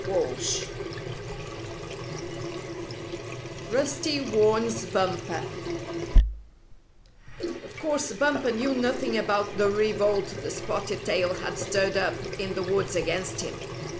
STORY X RUSTY WARNS BUMPER Of course, Bumper knew nothing about the revolt that Spotted Tail had stirred up in the woods against him.